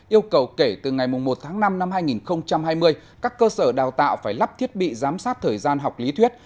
yêu cầu kể từ ngày một tháng năm năm hai nghìn hai mươi các cơ sở đào tạo phải lắp thiết bị giám sát thời gian học lý thuyết